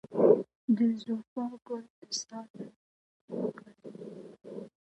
د زوفا ګل د ساه لنډۍ لپاره وکاروئ